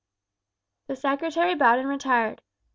The secretary bowed and retired.